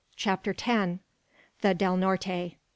CHAPTER TEN. THE DEL NORTE.